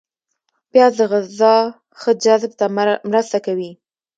پیاز د غذا ښه جذب ته مرسته کوي